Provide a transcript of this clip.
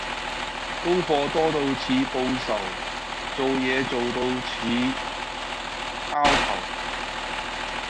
功課多到似報仇做嘢做到似 𢯎 頭